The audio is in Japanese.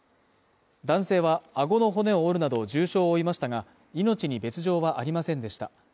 男性はあごの骨を折るなど重傷を負いましたが命に別状はありませんでした。